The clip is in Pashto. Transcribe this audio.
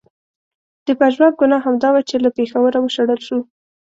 د پژواک ګناه همدا وه چې له پېښوره و شړل شو.